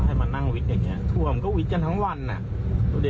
ให้มานั่งวิกอย่างเงี้ท่วมก็วิดกันทั้งวันอ่ะดูดิ